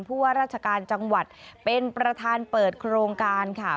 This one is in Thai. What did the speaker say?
ว่าราชการจังหวัดเป็นประธานเปิดโครงการค่ะ